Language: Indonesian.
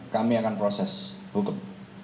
kami akan proses hukum